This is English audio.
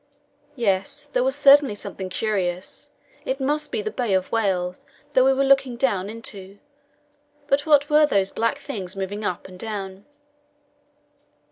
Yes, there was certainly something curious. It must be the Bay of Whales that we were looking down into, but what were those black things moving up and down?